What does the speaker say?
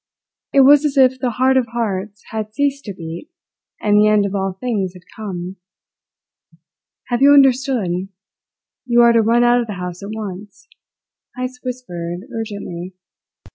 It was as if the heart of hearts had ceased to beat and the end of all things had come. "Have you understood? You are to run out of the house at once," Heyst whispered urgently.